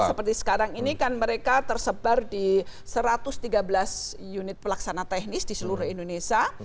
seperti sekarang ini kan mereka tersebar di satu ratus tiga belas unit pelaksana teknis di seluruh indonesia